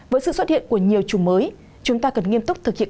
với sự xuất hiện của nhiều chùm mới chúng ta cần nghiêm túc thực hiện